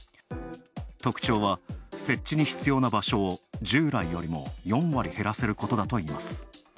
特徴は、設置に必要な場所を従来よりも４割減らせること。